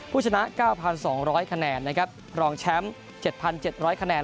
ผู้ชนะเก้าพันสองร้อยคะแนนนะครับรองแชมป์เจ็ดพันเจ็ดร้อยคะแนน